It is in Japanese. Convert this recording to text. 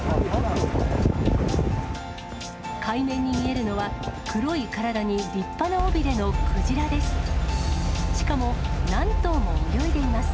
海面に見えるのは、黒い体に立派な尾びれのクジラです。